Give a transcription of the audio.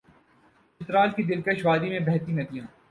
چترال کی دل کش وادی میں بہتی ندیاں